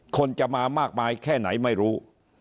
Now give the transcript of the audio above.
คนจะมามากมายแค่ไหนไม่รู้